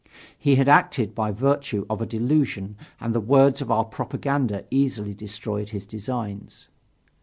He had acted by virtue of a delusion and the words of our propaganda easily destroyed his designs.